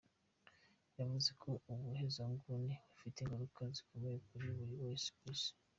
Yavuze ko ubuhezanguni bufite ingaruka zikomeye kuri buri wese ku Isi.